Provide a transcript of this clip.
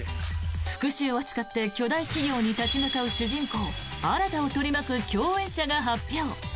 復しゅうを誓って巨大企業に立ち向かう主人公・新を取り巻く共演者が発表。